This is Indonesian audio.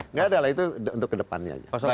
nggak adalah itu untuk ke depannya